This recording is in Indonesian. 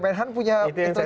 kpmnh punya intelijen sendiri